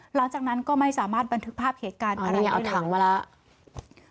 หลังจากนั้นก็ไม่สามารถบันทึกภาพเหตุการณ์ภรรยาเอาถังมาแล้ว